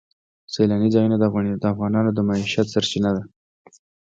سیلانی ځایونه د افغانانو د معیشت سرچینه ده.